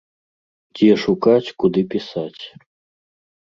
Дзе шукаць, куды пісаць.